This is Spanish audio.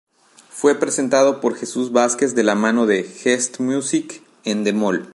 Fue presentado por Jesús Vázquez de la mano de Gestmusic Endemol.